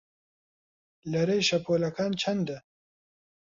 لەرەی شەپۆڵەکان چەندە؟